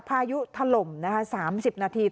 พายุถล่ม๓๐นาที